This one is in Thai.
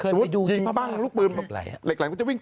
สมมุติยิงปั้งลูกปืนเหล็กไหล่มันก็จะวิ่ง